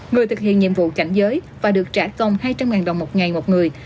người thực hiện nhiệm vụ cảnh giới và được trả công hai trăm linh đồng một ngày một người